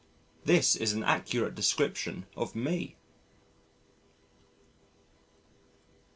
This is an accurate description of Me.